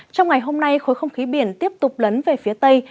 trong ngày hôm nay khối không khí biển tiếp tục lấn về phía tây